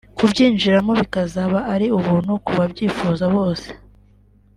kubyinjiramo bikazaba ari ubuntu ku babyifuza bose